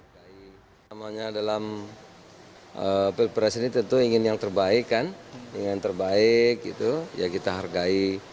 pertama dalam presidential itu ingin yang terbaik kan yang terbaik gitu ya kita hargai